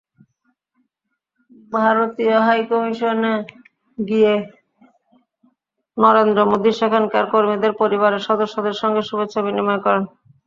ভারতীয় হাইকমিশনে গিয়ে নরেন্দ্র মোদি সেখানকার কর্মীদের পরিবারের সদস্যদের সঙ্গে শুভেচ্ছা বিনিময় করেন।